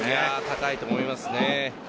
高いと思いますね。